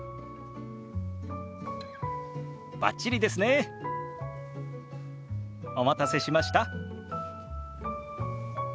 バッチリですね。お待たせしました。